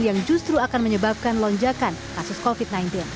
yang justru akan menyebabkan lonjakan kasus covid sembilan belas